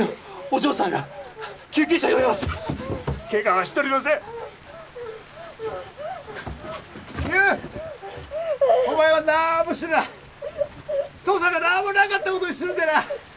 父さんが何もなかったことにするでな